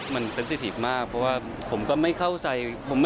มันเซ็นสิทีฟมากเพราะว่าผมก็ไม่เข้าใจ